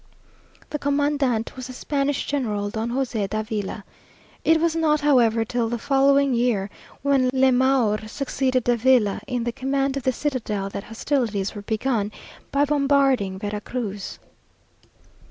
The commandant was the Spanish General Don José Davila. It was not, however, till the following year, when Lemaur succeeded Davila in the command of the citadel, that hostilities were begun by bombarding Vera Cruz.